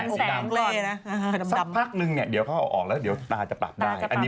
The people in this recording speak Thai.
สักพักนึงเนี่ยเดี๋ยวเขาเอาออกแล้วเดี๋ยวตาจะปรับได้อันนี้